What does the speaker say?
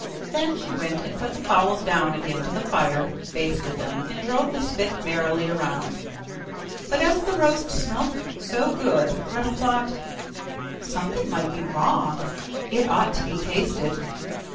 Then she went and put the fowls down again to the fire, basted them, and drove the spit merrily round. But as the roast meat smelt so good, Gretel thought: 'Something might be wrong, it ought to be tasted!